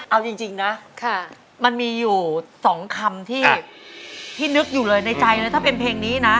เอาจริงนะมันมีอยู่๒คำที่พี่นึกอยู่เลยในใจเลยถ้าเป็นเพลงนี้นะ